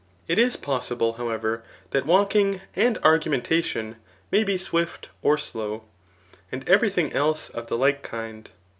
It is possible, * however, that walking and augmen tation, may be swift or slow, and every thing else of the like kind.